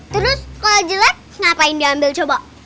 terus kalau jelek ngapain diambil coba